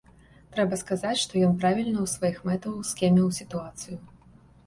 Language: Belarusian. Трэба сказаць, што ён правільна ў сваіх мэтах скеміў сітуацыю.